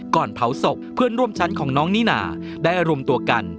เผาศพเพื่อนร่วมชั้นของน้องนิน่าได้รวมตัวกัน